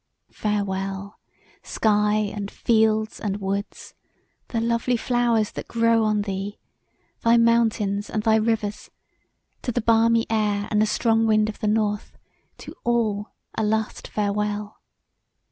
Farewell! Sky, and fields and woods; the lovely flowers that grow on thee; thy mountains & thy rivers; to the balmy air and the strong wind of the north, to all, a last farewell.